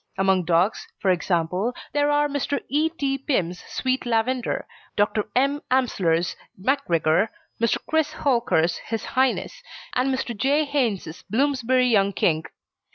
Among dogs, for example, there are Mr. E. T. Pimm's Sweet Lavender, Dr. M. Amsler's MacGregor, Mr. Chris Houlker's His Highness, and Mr. J. Haynes' Bloomsbury Young King.